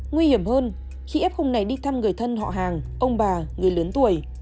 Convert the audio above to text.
nguy hiểm hơn khi fum này đi thăm người thân họ hàng ông bà người lớn tuổi